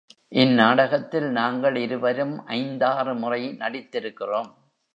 இந்நாடகத்தில் நாங்கள் இருவரும் ஐந்தாறு முறை நடித்திருக்கிறோம்.